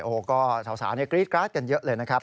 โอ้โหก็สาวกรี๊ดกราดกันเยอะเลยนะครับ